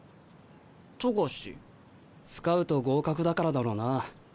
スカウト合格だからだろうな。